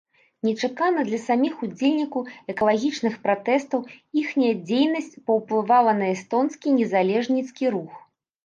Нечакана для саміх удзельнікаў экалагічных пратэстаў, іхняя дзейнасць паўплывала на эстонскі незалежніцкі рух.